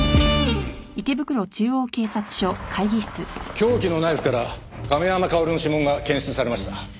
凶器のナイフから亀山薫の指紋が検出されました。